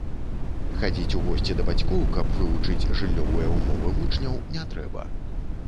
Хадзіць у госці да бацькоў, каб вывучыць жыллёвыя ўмовы вучняў, не трэба.